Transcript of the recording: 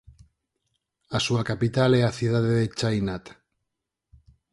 A súa capital é a cidade de Chai Nat.